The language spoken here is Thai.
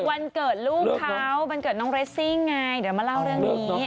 วันเกิดลูกเขาวันเกิดน้องเรสซิ่งไงเดี๋ยวมาเล่าเรื่องนี้